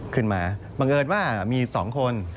ขึ้นมาบังเอิญว่ามีสองคน